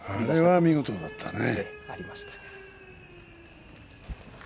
あれは見事だったね。